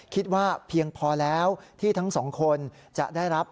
เพียงพอแล้วที่ทั้งสองคนจะได้รับ